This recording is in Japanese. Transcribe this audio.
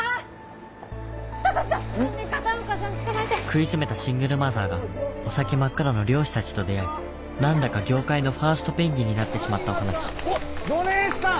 食い詰めたシングルマザーがお先真っ暗の漁師たちと出会い何だか業界のファーストペンギンになってしまったお話どねぇしたん？